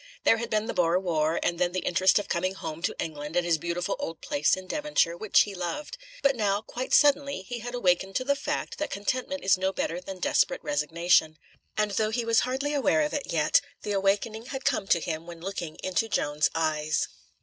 There had been the Boer war, and then the interest of coming home to England and his beautiful old place in Devonshire, which he loved. But now, quite suddenly, he had awakened to the fact that contentment is no better than desperate resignation; and though he was hardly aware of it yet, the awakening had come to him when looking into Joan's eyes.